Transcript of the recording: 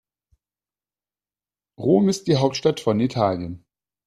Rom ist die Hauptstadt von Italien.